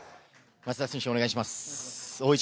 松田選手、お願いします。